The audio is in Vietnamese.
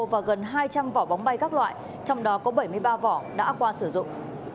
và gần hai trăm linh vỏ bóng bay các loại trong đó có bảy mươi ba vỏ đã qua sử dụng